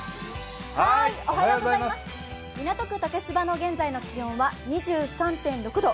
港区竹芝の現在の気温は２３．６度。